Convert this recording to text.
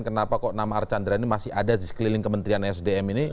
kenapa kok nama archandra ini masih ada di sekeliling kementerian sdm ini